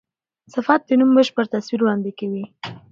صفت د نوم بشپړ تصویر وړاندي کوي.